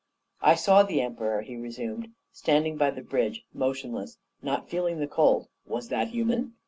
"I saw the Emperor," he resumed, "standing by the bridge, motionless, not feeling the cold was that human?